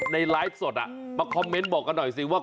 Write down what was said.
ไลฟ์สดมาคอมเมนต์บอกกันหน่อยสิว่า